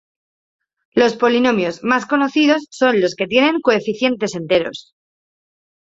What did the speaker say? Los polinomios más conocidos son los que tienen coeficientes enteros.